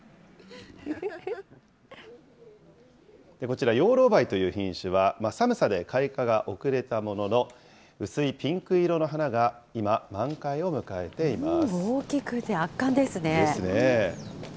こちら、養老梅という品種は、寒さで開花が遅れたものの、薄いピンク色の花が今、満開を迎えています。